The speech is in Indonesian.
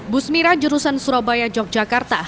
bus mira jurusan surabaya yogyakarta